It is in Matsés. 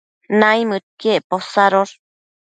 naimëdquiec posadosh